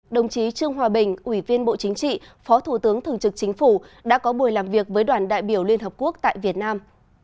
đồng chí trương hòa bình ủy viên bộ chính trị phó thủ tướng thường trực chính phủ đã có buổi làm việc với đoàn đại biểu liên hợp quốc tại việt nam